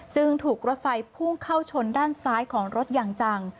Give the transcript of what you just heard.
ซึ่งถูกรถไฟพุ่งเข้าชนด้านซ้ายของรถอย่างจัง